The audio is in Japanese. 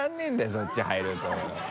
そっち入ると。